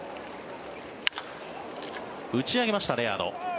打ち上げました、レアード。